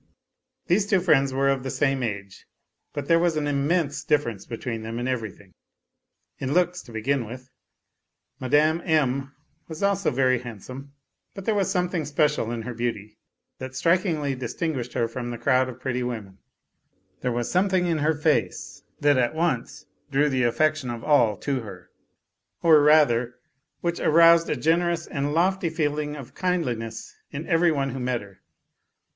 These two friends were of the same age, but there was an immense difference between them in everything in looks, to begin with. Madame M. was also very handsome, but there was some thing special in her beauty that strikingly distinguished her from the crowd of pretty women; there was something in her face that at once drew the affection of all to her, or rather, which aroused a generous and lofty feeling of kindliness in every one who met her.